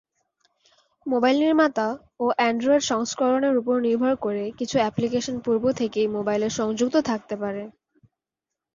Mobile নির্মাতা ও Android সংস্করণের ওপর নির্ভর করে কিছু অ্যাপ্লিকেশন পূর্ব থেকেই মোবাইলে সংযুক্ত থাকতে পারে।